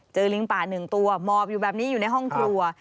ลิงป่าหนึ่งตัวหมอบอยู่แบบนี้อยู่ในห้องครัว